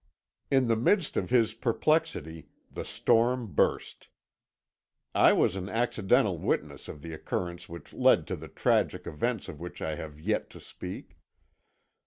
"In the midst of his perplexity the storm burst. I was an accidental witness of the occurrence which led to the tragic events of which I have yet to speak.